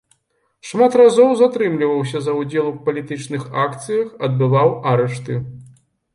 Шмат разоў затрымліваўся за ўдзел у палітычных акцыях, адбываў арышты.